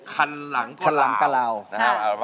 คันหลังกล่าวคันหลังกล่าวคันหลังกล่าว